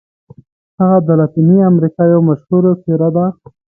هغه د لاتیني امریکا یوه مشهوره څیره ده.